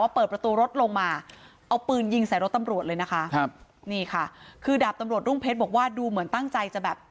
เปิดประตูรถลงมาเอาปืนยิงใส่รถตำรวจเลยนะคะครับนี่ค่ะคือดาบตำรวจรุ่งเพชรบอกว่าดูเหมือนตั้งใจจะแบบ